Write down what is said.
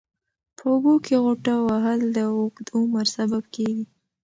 په اوبو کې غوټه وهل د اوږد عمر سبب کېږي.